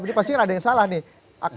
ini pasti kan ada yang salah nih